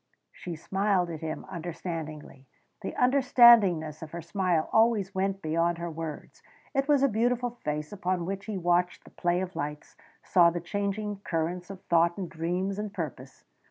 She smiled at him understandingly; the understandingness of her smile always went beyond her words. It was a beautiful face upon which he watched the play of lights, saw the changing currents of thought and dreams and purpose.